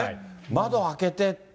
窓開けてって。